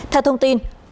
theo thông tin